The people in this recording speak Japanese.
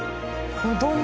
子ども？